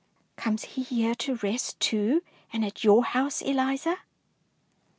'' Comes he here to rest too, and at your house, Eliza ?